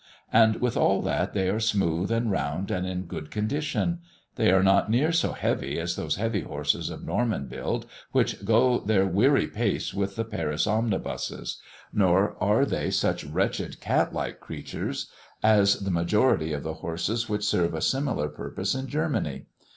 And with all that they are smooth and round and in good condition; they are not near so heavy as those heavy horses of Norman build which go their weary pace with the Paris omnibuses, nor are they such wretched catlike creatures as the majority of the horses which serve a similar purpose in Germany.